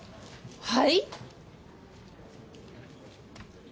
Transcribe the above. はい？